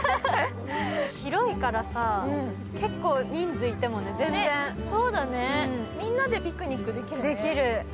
広いからさ、結構人数いても全然みんなでピクニックできるね。